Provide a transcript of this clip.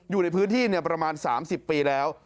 อยู่ในพื้นที่ประมาณ๓๐ปีแล้ว